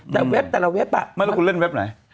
แต่เว็บแต่ละเว็บอ่ะไม่รู้คุณเล่นเว็บไหน